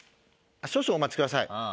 少々お待ちください。